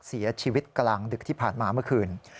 เสียชีวิตกลางดึกที่ผ่านมาเมื่อคืน